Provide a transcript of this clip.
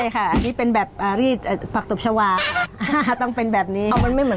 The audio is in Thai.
ก็แบบที่บ้านหนู